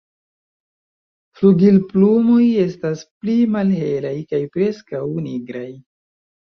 Flugilplumoj estas pli malhelaj kaj preskaŭ nigraj.